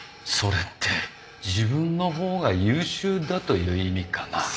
それって自分のほうが優秀だという意味かな？